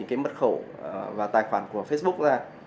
với những mất khẩu và tài khoản của facebook ra